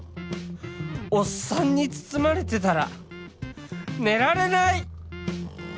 おっさんに包まれてたら寝られない！